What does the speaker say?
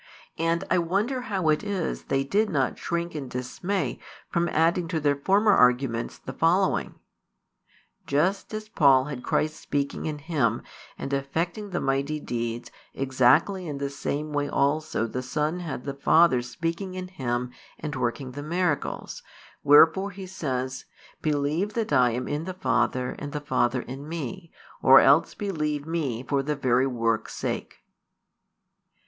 And I wonder how it is they did not shrink in dismay from adding to their former arguments the following: "Just as Paul had Christ speaking in him and effecting the mighty deeds, exactly in the same way also the Son had the Father speaking in Him and working the miracles; wherefore He says: Believe that I am in the Father, and the Father in Me: or else believe Me for the very works' sake."